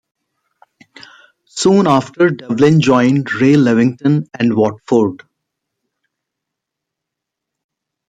Soon after Devlin joined Ray Lewington and Watford.